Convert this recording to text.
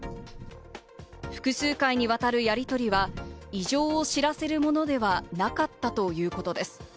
複数回にわたるやりとりは異常を知らせるものではなかったということです。